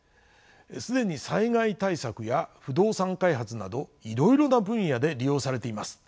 既に災害対策や不動産開発などいろいろな分野で利用されています。